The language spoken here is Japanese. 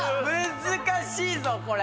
難しいぞこれ！